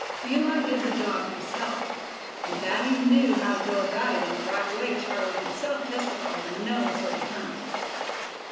Eli did the job himself. And that he knew how to go about it in the right way Charlie himself testified in no uncertain tones.